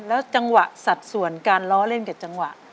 แล้วจังหวะสัดส่วนการล้อเล่นกับจังหวะ